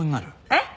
えっ？